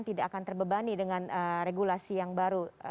tidak akan terbebani dengan regulasi yang baru